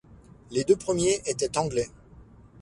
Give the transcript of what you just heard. Les deux premiers étaient anglais.